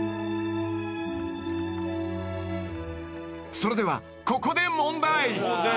［それではここで］